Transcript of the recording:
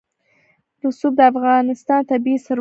رسوب د افغانستان طبعي ثروت دی.